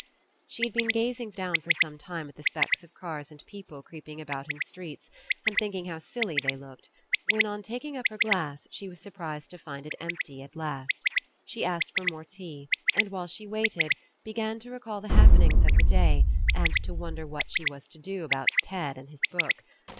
She had been gazing down for some time at the specks of cars and people creeping about in streets, and thinking how silly they looked, when on taking up her glass she was surprised to find it empty at last. She asked for more tea and while she waited, began to re call the happenings of the day and to wonder what she was to do about Ted and his book.